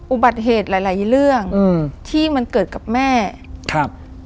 อุบัติเหตุหลายหลายเรื่องอืมที่มันเกิดกับแม่ครับ